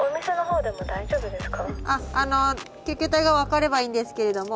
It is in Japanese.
あっあの救急隊が分かればいいんですけれども。